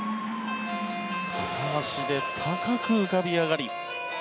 片足で高く浮かび上がり。